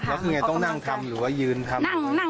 แล้วคือไงต้องนั่งทำหรือว่ายืนทำ